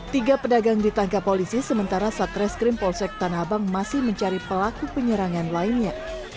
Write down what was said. tiga pedagang ditangkap polisi sementara satreskrim polsek tanah abang masih mencari pelaku penyerangan lainnya